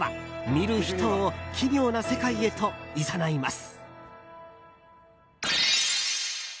見る人を奇妙な世界へといざないます。